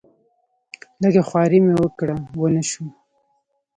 لږه خواري مې وکړه ونه شو.